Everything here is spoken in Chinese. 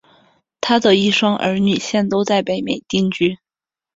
她的一双儿女现都在北美定居。